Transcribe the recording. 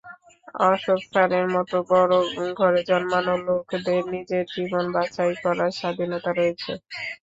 অশোক স্যারের মতো বড় ঘরে জন্মানো লোকদের, নিজের জীবন বাছাই করার স্বাধীনতা রয়েছে।